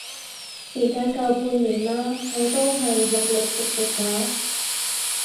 時間夠半年啦，我都係斷斷續續搞